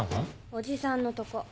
おじさんのとこ。